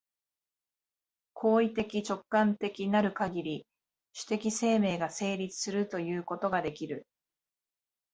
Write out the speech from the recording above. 行為的直観的なるかぎり、種的生命が成立するということができる。